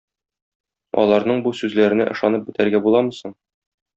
Аларның бу сүзләренә ышанып бетәргә буламы соң?